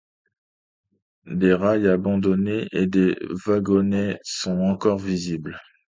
Des rails abandonnés et des wagonnets sont encore visibles.